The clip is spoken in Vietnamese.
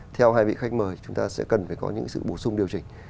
theo hai vị khách mời chúng ta sẽ cần phải có những sự bổ sung điều chỉnh